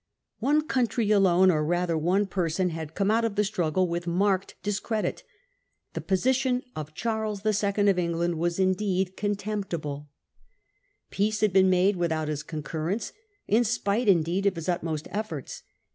One country alone, or rather one person, had come out of the struggle with marked discredit. The position of Charles II. of England was indeed contemptible. Peace had been made without his concurrence — in spite, indeed, of his utmost efforts.